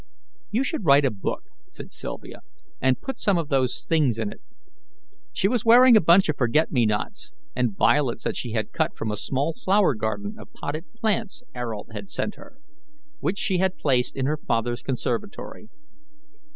"You should write a book," said Sylvia, "and put some of those things in it." She was wearing a bunch of forget me nots and violets that she had cut from a small flower garden of potted plants Ayrault had sent her, which she had placed in her father's conservatory.